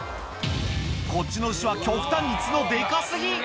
こっちの牛は極端に角デカ過ぎ！